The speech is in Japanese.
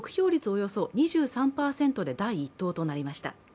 およそ２３％で第一党となりました。